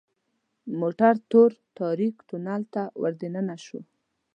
موټر تور تاریک تونل ته وردننه شو .